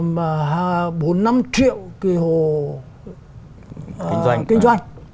mà bốn năm triệu cái hộ kinh doanh